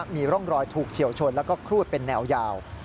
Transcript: มีร่องรอยถูกเฉียวชนแล้วก็ครูดเป็นแนวยาว